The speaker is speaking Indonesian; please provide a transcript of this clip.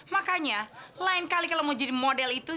makanya lain kali kalau mau jadi model itu